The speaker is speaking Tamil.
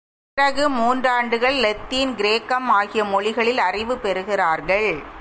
பிறகு மூன்றாண்டுகள் இலத்தீன், கிரேக்கம் ஆகிய மொழிகளில் அறிவு பெறுகிறார்கள்.